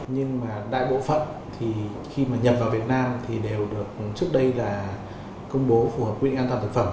nhưng mà đại bộ phận thì khi mà nhập vào việt nam thì đều được trước đây là công bố phù hợp quy định an toàn thực phẩm